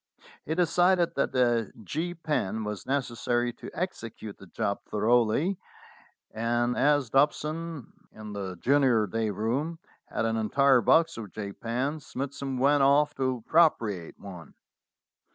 He decided that a "J" pen was neces sary to execute the job thoroughly, and as Dobson in the junior day room had an entire box of "J" pens, Smithson went off to appropriate one.